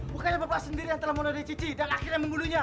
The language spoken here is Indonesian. bukannya bapak sendiri yang telah membunuh dicuci dan akhirnya membunuhnya